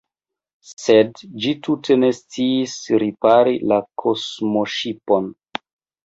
Sed, ĝi tute ne sciis ripari la kosmoŝipon.